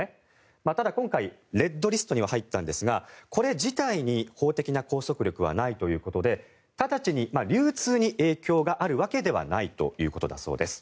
ただ、今回レッドリストには入ったんですがこれ自体に法的な拘束力はないということで直ちに流通に影響があるわけではないということです。